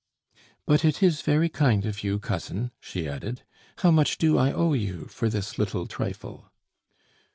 "But it is very kind of you, cousin," she added. "How much to I owe you for this little trifle?"